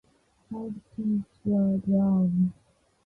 Five ties were drawn.